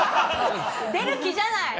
出る気じゃない！